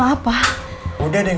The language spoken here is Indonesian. mas ini udah selesai